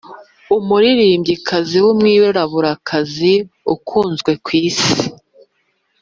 Umuririmbyikazi w’umwiraburakazi ukunzwe ku isi